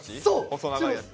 細長いやつ。